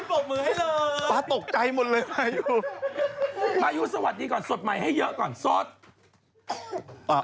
ไออาคี๊ดดังไปหน่อยใช่ไหม